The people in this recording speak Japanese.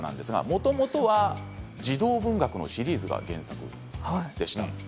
もともとは児童文学のシリーズが原作でした。